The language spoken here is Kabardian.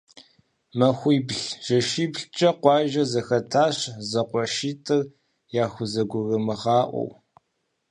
Махуибл-жэщиблкӏэ къуажэр зэхэтащ, зэкъуэшитӏыр яхузэгурымыгъаӏуэу.